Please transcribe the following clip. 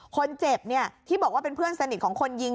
คนเจ็บที่บอกว่าเป็นเพื่อนสนิทของคนยิง